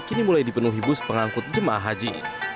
kini mulai dipenuhi bus pengangkut jemaah haji